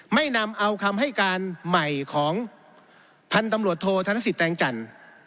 ไม่นำเอาคำให้การใหม่ของพันธุ์ตำรวจโทษธนสิทธแตงจันทร์